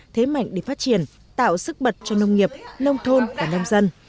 thế mạnh để phát triển tạo sức bật cho nông nghiệp nông thôn và nông dân